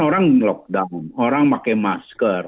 orang lockdown orang pakai masker